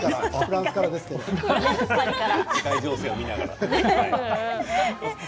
世界情勢を見ながら。